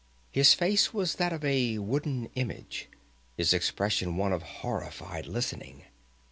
His face was that of a wooden image, his expression one of horrified listening.